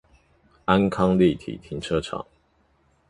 安康立體停車場